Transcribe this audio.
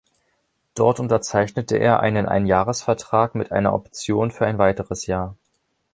Dort unterzeichnete er einen Einjahresvertrag mit einer Option für ein weiteres Jahr.